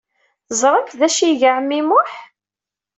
Teẓramt d acu ay iga ɛemmi Muḥ?